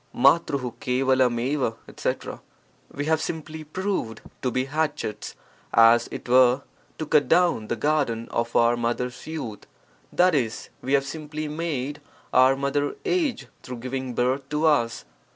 TfTg: %3cTW etc. — We have simply proved to be hatchets, as it were, to cut down the garden of our mother's youth, i.e., we have simply made our mother age through giving birth to us.